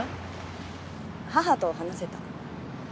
母と話せた。